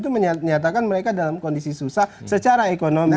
itu menyatakan mereka dalam kondisi susah secara ekonomi